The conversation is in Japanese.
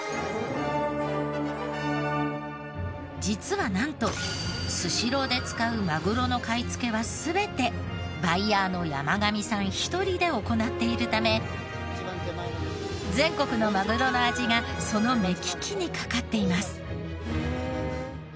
実はなんとスシローで使うマグロの買い付けは全てバイヤーの山上さん１人で行っているため全国のマグロの味がその目利きにかかっています。